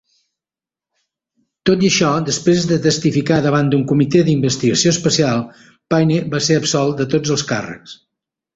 Tot i això, després de testificar davant d'un comitè d'investigació especial, Payne va ser absolt de tots els càrrecs.